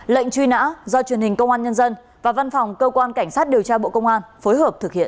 lệnh truy nã do truyền hình công an nhân dân và văn phòng cơ quan cảnh sát điều tra bộ công an phối hợp thực hiện